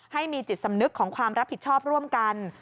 ให้มีจิตสำนึกของความรับผิดชอบร่วมกัน